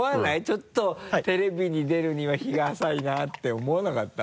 ちょっとテレビに出るには日が浅いなって思わなかった？